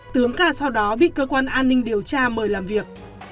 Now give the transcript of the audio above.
tướng ca sau đó bị cơ quan an ninh điều tra mời làm việc